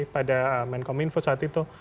pada menkominfo saat itu